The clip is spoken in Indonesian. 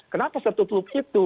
kenapa tertutup itu